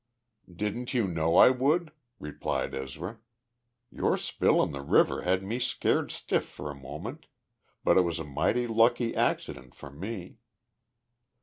"Didn't you know I would?" replied Ezra. "Your spill in the river had me scared stiff for a moment, but it was a mighty lucky accident for me."